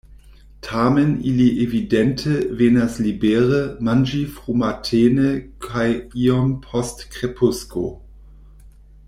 Tamen ili evidente venas libere manĝi frumatene kaj iom post krepusko.